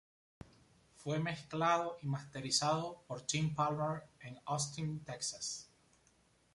Fue mezclado y masterizado por Tim Palmer en Austin, Texas.